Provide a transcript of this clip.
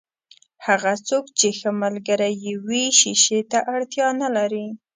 هغه څوک چې ښه ملګری يې وي، شیشې ته اړتیا نلري.